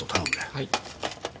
はい。